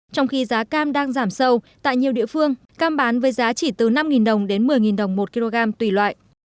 trong khi giá cam đang giảm sâu tại nhiều địa phương cam bán với giá chỉ từ năm đồng đến một mươi đồng một kg tùy loại